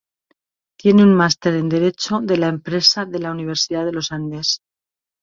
Tiene un máster en Derecho de la Empresa de la Universidad de los Andes.